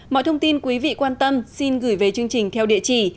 mọi thông tin quý vị quan tâm xin gửi về chương trình theo địa chỉ